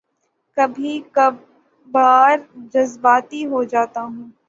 کبھی کبھار جذباتی ہو جاتا ہوں